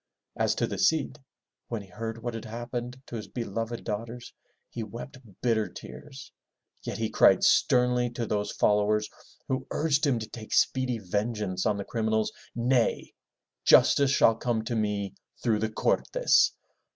As to the Cid, when he heard what had happened to his beloved daughters, he wept bitter tears, yet he cried sternly to those followers who urged him to take speedy vengeance on the criminals, "Nay! Justice shall come to me through the Cortes.